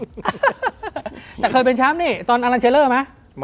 ฮะแต่เคยเป็นแชมป์ทอนอลารัลเชนเล่่อไหม